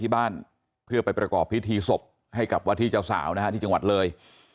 ที่บ้านเพื่อไปประกอบพิธีศพให้กับวัดที่เจ้าสาวนะฮะที่จังหวัดเลย